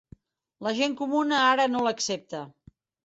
La gent comuna ara no l'accepta.